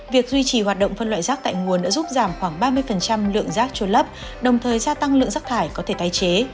việc duy trì hoạt động phân loại rác tại nguồn đã giúp giảm khoảng ba mươi lượng rác trôi lấp đồng thời gia tăng lượng rác thải có thể tái chế